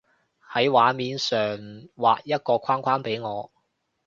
喺畫面上畫一個框框畀我